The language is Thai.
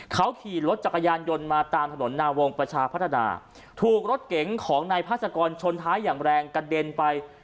เขาขี่รถจักรยานยนต์มาตามถนนนาวงประชาพัฒนาถูกรถเก๋งของนายพาสกรชนท้ายอย่างแรงกระเด็นไป